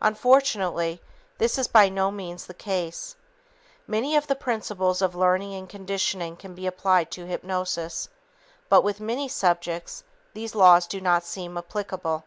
Unfortunately, this is by no means the case. Many of the principles of learning and conditioning can be applied to hypnosis, but with many subjects these laws do not seem applicable.